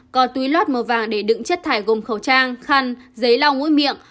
có túi lót màu vàng để đựng chất thải gồm khẩu trang khăn giấy lau mũi miệng